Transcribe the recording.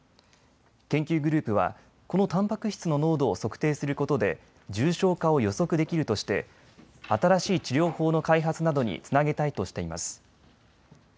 研究グループは、このたんぱく質の濃度を測定することで重症化を予測できるとして新しい治療法の開発などにつなげたいとしています。